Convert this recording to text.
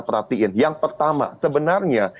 perhatiin yang pertama sebenarnya